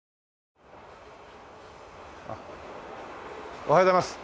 おはようございます。